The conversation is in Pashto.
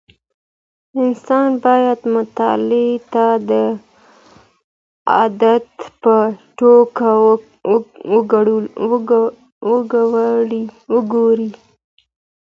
انسان باید مطالعې ته د عادت په توګه وګوري.